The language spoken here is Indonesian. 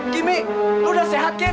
kimi lo udah sehat kim